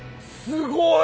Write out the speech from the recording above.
すごい。